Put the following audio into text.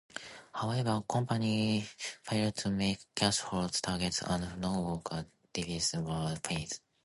However, the company failed to make cash-flow targets, and no worker dividends were paid.